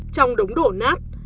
trong đống đổ nát